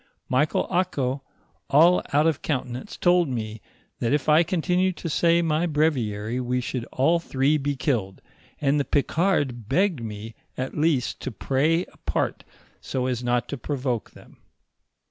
Michael Ako, all out of countenance, told me, that if I continued to say my braviary we should all three be killed, and the Ficard begged me at least to pray apart, so as not to provoke them.